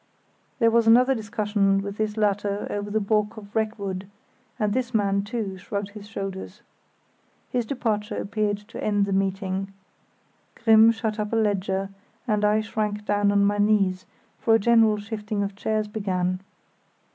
There was another discussion with this latter over the balk of wreck wood, and this man, too, shrugged his shoulders. His departure appeared to end the meeting. Grimm shut up a ledger, and I shrank down on my knees, for a general shifting of chairs began.